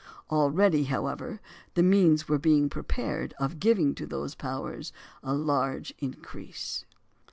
Already, however, the means were being prepared of giving to those powers a large increase.